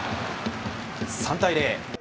３対０。